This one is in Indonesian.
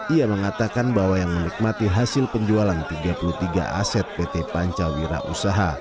ia mengatakan bahwa yang menikmati hasil penjualan tiga puluh tiga aset pt pancawira usaha